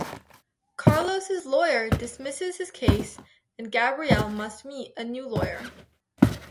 Carlos's lawyer dismisses his case and Gabrielle must meet a new lawyer.